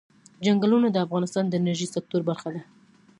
چنګلونه د افغانستان د انرژۍ سکتور برخه ده.